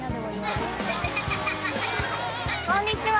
こんにちは。